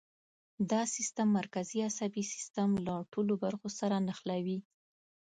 دا سیستم مرکزي عصبي سیستم له ټولو برخو سره نښلوي.